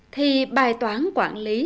thì bài toán quản lý